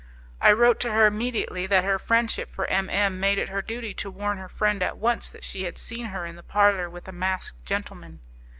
I wrote to her immediately that her friendship for M M made it her duty to warn her friend at once that she had seen her in the parlour with a masked gentleman.